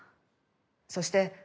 そして。